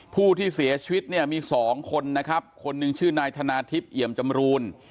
ผู้ที่เสียชีวิตเนี่ยมีสองคนนะครับคนหนึ่งชื่อนายธนาทิพย์เอี่ยมจำรูน